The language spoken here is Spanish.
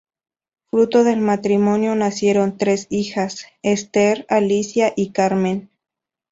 Fruto del matrimonio nacieron tres hijas, Esther, Alicia y Carmen.